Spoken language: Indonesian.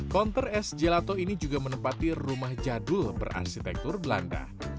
konter es gelato ini juga menempati rumah jadul berarsitektur belanda